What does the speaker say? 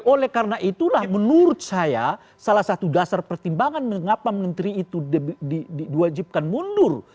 oleh karena itulah menurut saya salah satu dasar pertimbangan mengapa menteri itu diwajibkan mundur